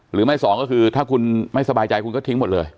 หรือไม่สองก็คือถ้าคุณไม่สบายใจคุณก็ทิ้งหมดเลย